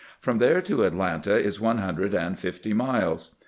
From there to Atlanta is one hundred and fifty miles.